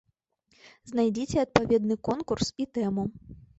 Знайдзіце адпаведны конкурс і тэму.